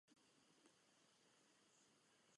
Tyto odhady jsou ale považovány za nízké.